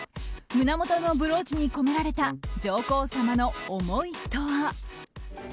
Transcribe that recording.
胸元のブローチに込められた上皇さまの思いとは。